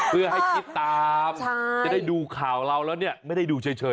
คือให้คิดตามจะได้ดูข่าวเราแล้วไม่ได้ดูเฉยค่ะโอ้โฮ